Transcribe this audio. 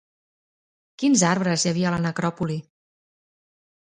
Quins arbres hi havia a la necròpoli?